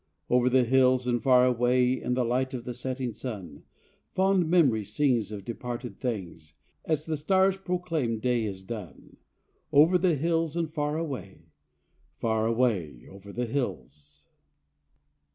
"Over the hills and far away" In the light of the setting sun, Fond memory sings Of departed things As the stars proclaim day is done, "Over the hills and far away," Far away over the hills.